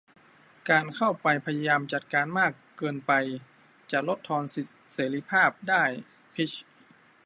การเข้าไปพยายามจัดการมากเกินไปจะลดทอนสิทธิเสรีภาพได้ - พิชญ์